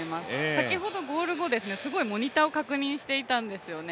先ほどゴール後、すごいモニターを確認していたんですよね。